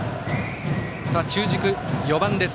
中軸、４番です。